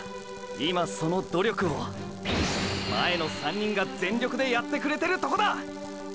今その努力を前の３人が全力でやってくれてるとこだ！！